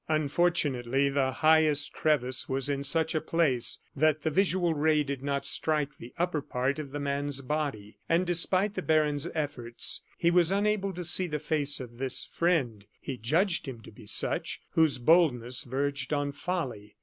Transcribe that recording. Unfortunately, the highest crevice was in such a place that the visual ray did not strike the upper part of the man's body; and, despite the baron's efforts, he was unable to see the face of this friend he judged him to be such whose boldness verged on folly.